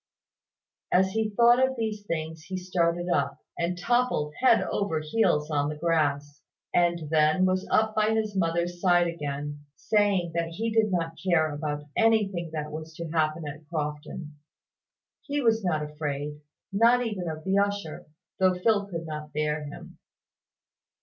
As he thought of these things, he started up, and toppled head over heels on the grass, and then was up by his mother's side again, saying that he did not care about anything that was to happen at Crofton; he was not afraid, not even of the usher, though Phil could not bear him.